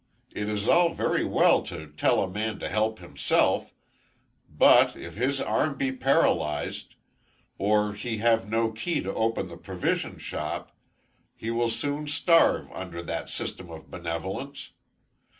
It is all very well to tell a man to help himself, but, if his arm be paralyzed, or he have no key to open the provision shop, he will soon starve under that system of benevolence.